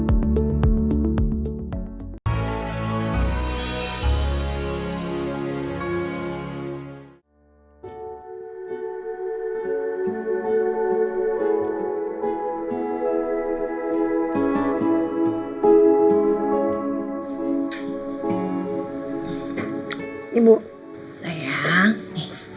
kasih ibu cantik